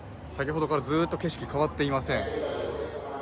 先ほどからずっと景色変わっていません。